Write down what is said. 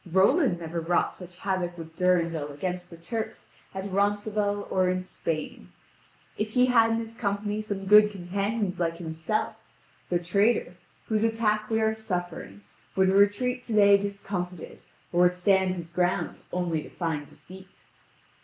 Roland never wrought such havoc with Durendal against the Turks at Ronceval or in Spain! If he had in his company some good companions like himself, the traitor, whose attack we are suffering, would retreat today discomfited, or would stand his ground only to find defeat."